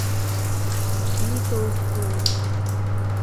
بھی تو کیوں؟